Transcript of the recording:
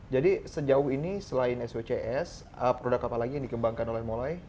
jadi sejauh ini selain swcs produk apa lagi yang dikembangkan oleh molai